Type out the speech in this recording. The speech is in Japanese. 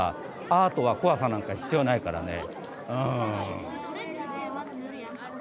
アートは怖さなんか必要ないからね。